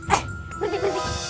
eh bentar bentar